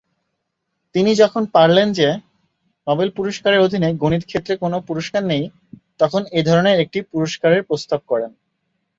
তিনি যখন পারলেন যে নোবেল পুরস্কারের অধীনে গণিত ক্ষেত্রে কোন পুরস্কার নেই, তখন এধরনের একটি পুরস্কারের প্রস্তাব করেন।